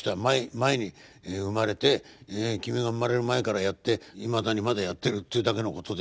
前に生まれて君が生まれる前からやっていまだにまだやってるっていうだけのことで。